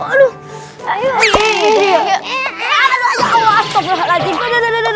aduh aku kaget ya allah